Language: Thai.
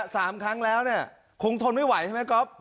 ล่ะ๓ครั้งแล้วคงทนไม่ไหวใช่ไหมก๊อฟ